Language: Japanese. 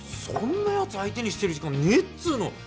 そんなやつ相手にしてる時間ねぇっつうの。